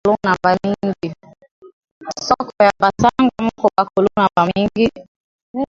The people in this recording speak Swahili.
Nsoko ya basanga muko ba kuluna ba mingi